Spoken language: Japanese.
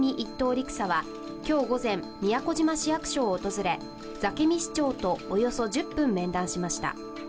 陸佐は今日午前、宮古島市役所を訪れ座喜味市長とおよそ１０分面談しました。